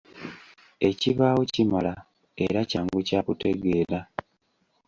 Ekibaawo kimala era kyangu kya kutegeera.